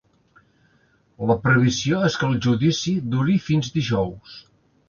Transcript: La previsió és que el judici duri fins dijous.